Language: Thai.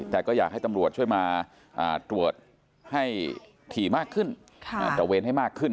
แต่ก็อยากให้ตำรวจช่วยมาตรวจให้ถี่มากขึ้นตระเวนให้มากขึ้น